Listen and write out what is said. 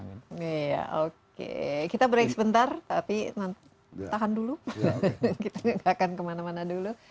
iya oke kita break sebentar tapi tahan dulu kita nggak akan kemana mana dulu